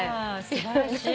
素晴らしい。